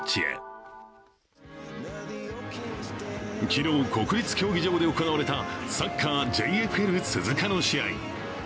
昨日、国立競技場で行われたサッカーＪＦＬ鈴鹿の試合。